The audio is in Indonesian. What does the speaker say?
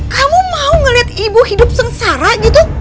kamu mau ngelihat ibu hidup sengsara gitu